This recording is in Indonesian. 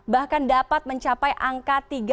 bahkan dapat mencapai angka tiga